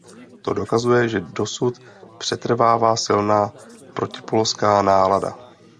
To dokazuje, že dosud přetrvává silná protipolská nálada.